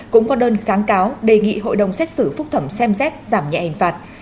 cũng có đơn kháng cáo đề nghị hội đồng xét xử phúc thẩm xem xét giảm nhẹ hình phạt